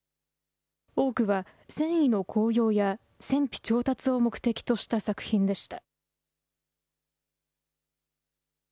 多くは戦意の高揚や戦費調達を目的とした作品でした。